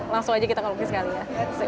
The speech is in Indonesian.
langsung aja kita melukis kali ya